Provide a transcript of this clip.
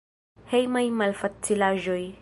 Hejmaj malfacilaĵoj.